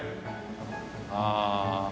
ああ。